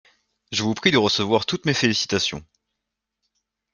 Je vous prie de recevoir toutes mes félicitations.